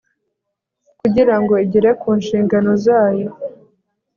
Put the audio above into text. kugira ngo igere ku nshingano zayo